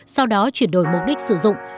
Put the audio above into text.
sau đó chuyển đổi mục đích sử dụng